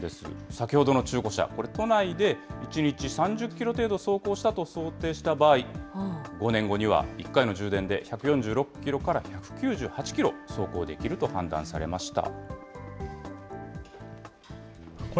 先ほどの中古車、これ、都内で１日３０キロ程度走行したと想定した場合、５年後には１回の充電で１４６キロから１９８キロ走行できると判断されました。